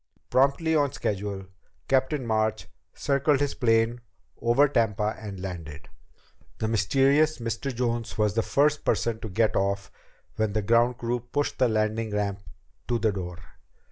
Promptly on schedule, Captain March circled his plane over Tampa and landed. The mysterious Mr. Jones was the first person to get off when the ground crew pushed the landing ramp up to the door.